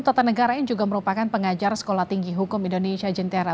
tata negara yang juga merupakan pengajar sekolah tinggi hukum indonesia jentera